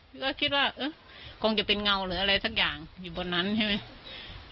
คือก็คิดว่าเออคงจะเป็นเงาหรืออะไรสักอย่างอยู่บนนั้นใช่ไหม